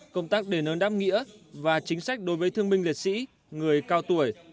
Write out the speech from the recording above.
công tác đề nớn đáp nghĩa và chính sách đối với thương minh liệt sĩ người cao tuổi